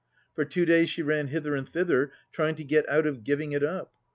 For two days she ran hither and thither try ing to get out of giving it up.